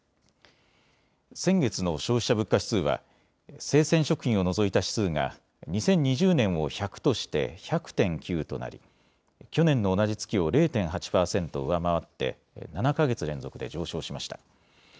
先月の消費者物価指数は生鮮食品を除いた指数が２０２０年を１００として１００．９となり去年の同じ月を０．８％上回って７か月連続で上昇しました。